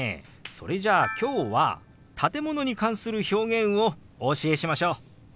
それじゃあ今日は建物に関する表現をお教えしましょう！